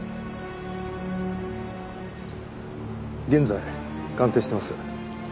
現在鑑定してます。